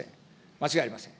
間違いありません。